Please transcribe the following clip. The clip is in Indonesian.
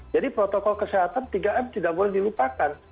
jadi protokol kesehatan tiga m tidak boleh dilupakan